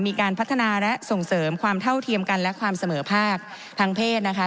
มีการพัฒนาและส่งเสริมความเท่าเทียมกันและความเสมอภาคทางเพศนะคะ